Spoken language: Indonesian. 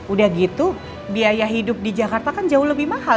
udah gitu biaya hidup di jakarta kan jauh lebih mahal